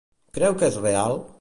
Creu que és real?